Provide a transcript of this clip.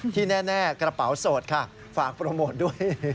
ที่แน่กระเป๋าโสดค่ะฝากโปรโมทด้วย